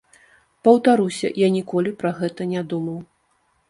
Паўтаруся, я ніколі пра гэта не думаў.